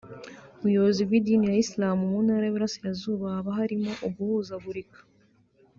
Mu buyobozi bw’idini ya Islam mu ntara y’uburasirazuba haba harimo uguhuzagurika